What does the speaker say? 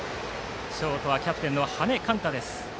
ショートはキャプテンの羽根勘太。